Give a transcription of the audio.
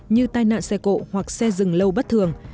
như tai nạn xe cộ hoặc xe dừng lâu bất thường